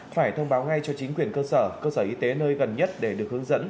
phải thông báo ngay cho chính quyền cơ sở cơ sở y tế nơi gần nhất để được hướng dẫn